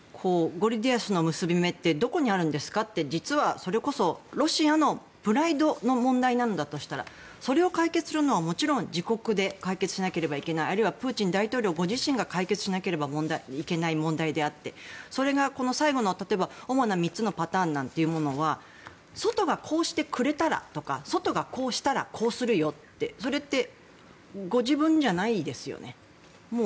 ゴルディアスの結び目ってどこにあるんですかってそれこそロシアのプライドの問題なんだとしたらそれを解決するのはもちろん自国で解決しなければいけないあるいはプーチン大統領ご自身が解決しなければいけない問題であってそれがこの最後の例えば主な３つのパターンなんていうものは外がこうしてくれたらとか外がこうしたらこうするよってそれってご自分じゃないですよね。